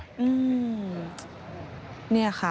อืมเนี่ยค่ะ